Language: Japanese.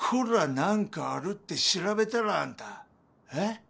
何かあるって調べたらあんたええ？